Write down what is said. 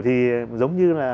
thì giống như là